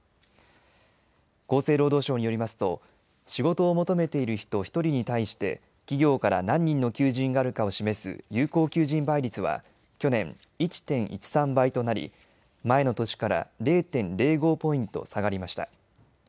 厚生労働省によりますと仕事を求めている人１人に対して企業から何人の求人があるかを示す有効求人倍率は去年、１．１３倍となり前の年から０．０５ポイント下がりました。